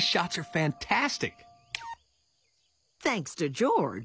ジョージ。